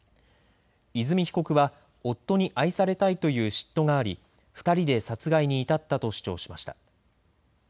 和美被告は夫に愛されたいという嫉妬があり２人で殺害に至ったと主張しました。